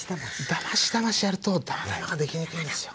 だましだましやるとだまだまが出来にくいんですよ。